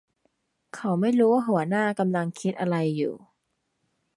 เขาไม่รู้ว่าหัวหน้ากำลังคิดอะไรอยู่